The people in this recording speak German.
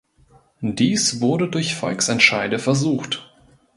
Dies wurde durch Volksentscheide versucht.